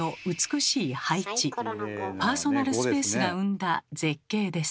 パーソナルスペースが生んだ絶景です。